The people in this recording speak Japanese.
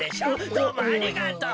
どうもありがとう。